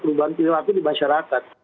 perubahan perilaku di masyarakat